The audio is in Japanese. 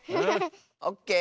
オッケー。